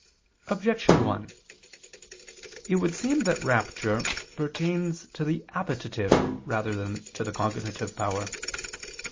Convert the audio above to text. Objection 1: It would seem that rapture pertains to the appetitive rather than to the cognitive power.